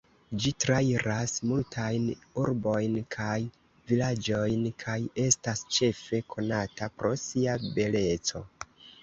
Ĝi trairas multajn urbojn kaj vilaĝojn kaj estas ĉefe konata pro sia beleco.